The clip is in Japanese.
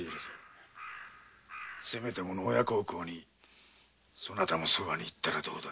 せめてもの親孝行にそばに行ったらどうだ？